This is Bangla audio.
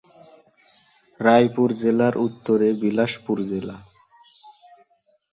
রায়পুর জেলার উত্তরে বিলাসপুর জেলা।